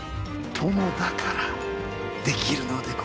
殿だからできるのでござる。